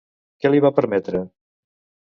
Què li va permetre?